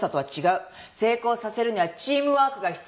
「成功させるにはチームワークが必要」